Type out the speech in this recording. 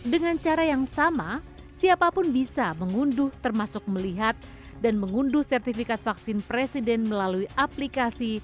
dengan cara yang sama siapapun bisa mengunduh termasuk melihat dan mengunduh sertifikat vaksin presiden melalui aplikasi